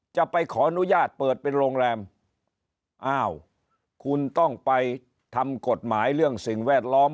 จะไปขออนุญาตเปิดเป็นโรงแรมอ้าวคุณต้องไปทำกฎหมายเรื่องสิ่งแวดล้อม